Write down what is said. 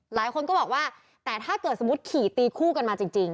หลายคนก็บอกว่าแต่ถ้าเกิดสมมุติขี่ตีคู่กันมาจริง